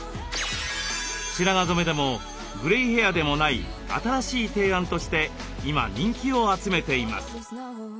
白髪染めでもグレイヘアでもない新しい提案として今人気を集めています。